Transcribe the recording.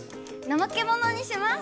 ナマケモノにします！